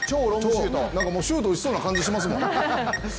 もうシュート打ちそうな感じしますもん。